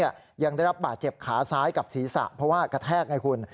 ยังได้รับบาดเจ็บขาซ้ายกับศีรษะเพราะว่ากระแทกไงคุณ